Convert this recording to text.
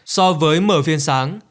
so với mở phiên sáng